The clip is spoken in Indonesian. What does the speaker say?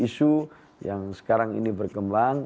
isu yang sekarang ini berkembang